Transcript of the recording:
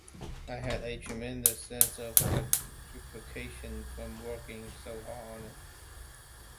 I had a tremendous sense of gratification from working so hard on it.